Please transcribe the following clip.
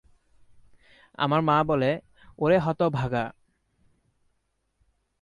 আমার মা বলে " ওরে হতভাগা।